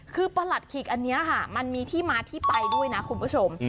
คือประหลัดขิกอันนี้ค่ะมันมีที่มาที่ไปด้วยนะคุณผู้ชม